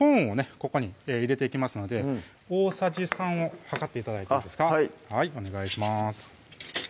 ここに入れていきますので大さじ３を量って頂いてはいお願いします